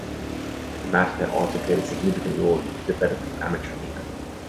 The Matica also played a significant role in the development of amateur theatre.